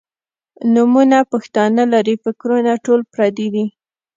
نومونه پښتانۀ لــري فکـــــــــــرونه ټول پردي دي